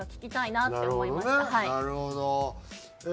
なるほどね。